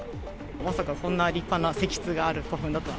まさかこんな立派な石室がある古墳だとは。